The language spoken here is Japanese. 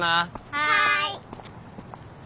はい。